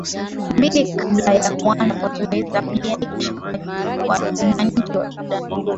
mbili kabla ya kuanza kwa zoezi la kujiandikisha kwa wananchi wa sudan